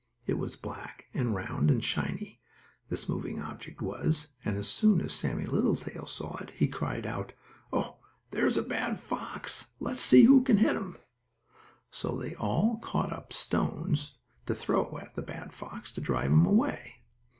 It was black and round and shiny, this moving object was, and as soon as Sammie Littletail saw it he cried out: "Oh, there's a bad fox. Let's see who can hit him." So they all caught up stones to throw at the bad fox, to drive him away.